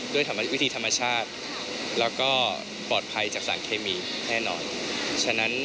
ด้วยวิธีธรรมชาติและปลอดภัยจากสารเคมีแน่นอน